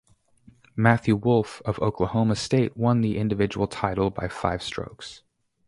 Matthew Wolff of Oklahoma State won the individual title by five strokes.